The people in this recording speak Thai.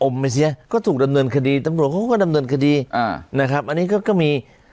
อมไปเสียก็ถูกดำเนือนคดีตำรวจเค้าก็ดำเนือนคดีนะครับอันนี้ก็มี